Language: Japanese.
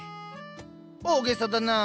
大げさだなあ。